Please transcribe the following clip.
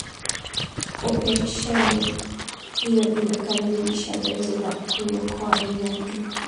operesheni hiyo imekamilisha zoezi la kuliokoa eneo hilo